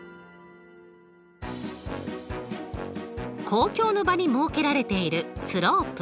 公共の場に設けられているスロープ。